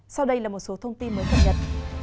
sau đây là một số thông tin mới cập nhật